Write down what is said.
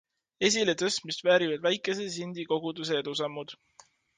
Esiletõstmist väärivad väikese Sindi koguduse edusammud.